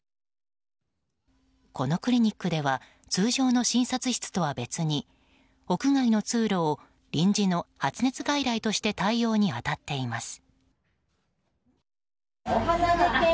このクリニックでは通常の診察室とは別に屋外の通路を臨時の発熱外来として対応に当たっています。